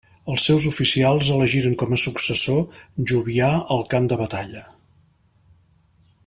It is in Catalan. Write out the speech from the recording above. Els seus oficials elegiren com a successor Jovià al camp de batalla.